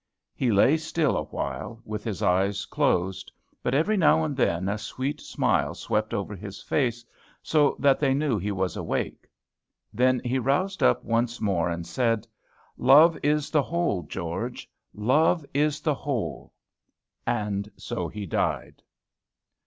He lay still awhile, with his eyes closed; but every now and then a sweet smile swept over his face, so that they knew he was awake. Then he roused up once more, and said, "Love is the whole, George; love is the whole," and so he died.